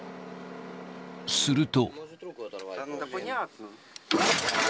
すると。